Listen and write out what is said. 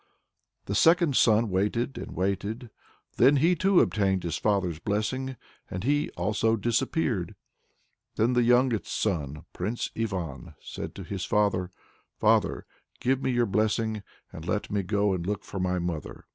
The second son waited and waited, then he too obtained his father's blessing and he also disappeared. Then the youngest son, Prince Ivan, said to his father, "Father, give me your blessing, and let me go and look for my mother."